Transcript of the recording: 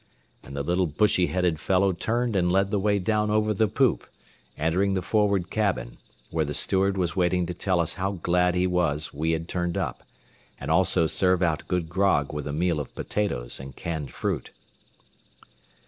And the little bushy headed fellow turned and led the way down over the poop, entering the forward cabin, where the steward was waiting to tell us how glad he was we had turned up, and also serve out good grog with a meal of potatoes and canned fruit.